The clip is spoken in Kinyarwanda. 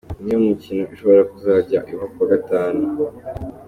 Abasirikare bagiye bayobowe na Major Steven Semwaga.